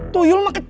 tuyul mah kecil